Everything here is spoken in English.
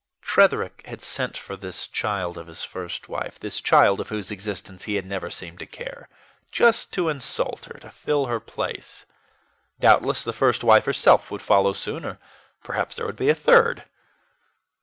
Tretherick had sent for this child of his first wife this child of whose existence he had never seemed to care just to insult her, to fill her place. Doubtless the first wife herself would follow soon, or perhaps there would be a third.